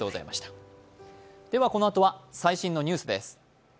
このあとは最新のニュースです。